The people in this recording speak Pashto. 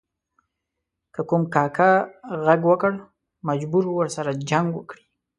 که کوم کاکه ږغ وکړ مجبور و ورسره جنګ وکړي.